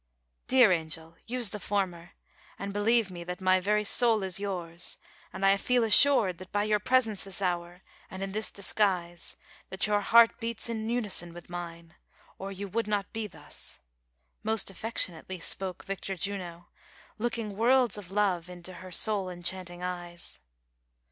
"Dear angel, use the former, and believe me that my very soul is yours, and I feel assured, by your presence at 44 THE SOCIAL WAR OF 1900 ; OR, this hour, and in this disguise, that your heart beats in unison willi mine, or you would not be thus," most affec tionately spolie Victor Juno, looking Avorlds of love into her soul enchanting eyes.